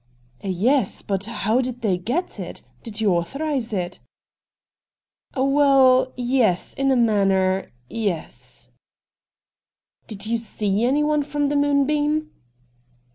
' Yes, but how did they get it ? Did you authorise it ?'' Well, yes — in a manner — yes.' 'Did you see anyone from the "Moon> beam